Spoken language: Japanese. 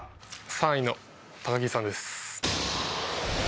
３位の木さんです